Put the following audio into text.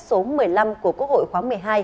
số một mươi năm của quốc hội khóa một mươi hai